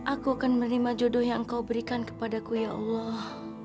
aku akan menerima jodoh yang kau berikan kepadaku ya allah